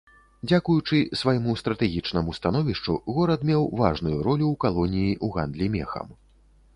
Дзякуючы свайму стратэгічнаму становішчу, горад меў важную ролю ў калоніі ў гандлі мехам.